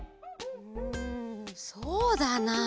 うんそうだな。